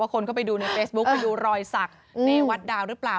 คนเข้าไปดูในเฟซบุ๊คไปดูรอยสักในวัดดาวหรือเปล่า